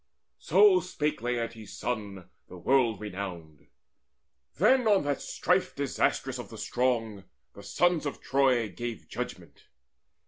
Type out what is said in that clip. So spake Laertes' son the world renowned. Then on that strife disastrous of the strong The sons of Troy gave judgment.